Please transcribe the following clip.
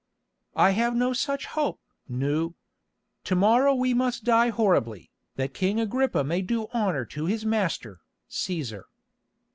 "I have no such hope, Nou. To morrow we must die horribly, that King Agrippa may do honour to his master, Cæsar."